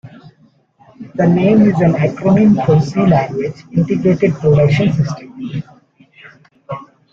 The name is an acronym for C Language Integrated Production System.